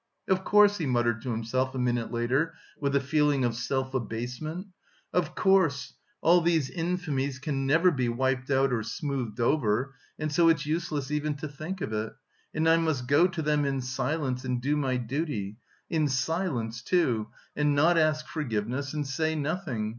"Of course," he muttered to himself a minute later with a feeling of self abasement, "of course, all these infamies can never be wiped out or smoothed over... and so it's useless even to think of it, and I must go to them in silence and do my duty... in silence, too... and not ask forgiveness, and say nothing...